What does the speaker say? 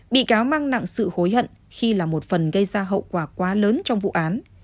bị cáo mang nặng sự hối hận khi là một phần gây ra hậu quả quá lớn trong vụ án